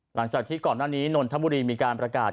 หลังจากที่ก่อนหน้านี้นนทบุรีมีการประกาศ